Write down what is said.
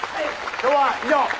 今日は以上。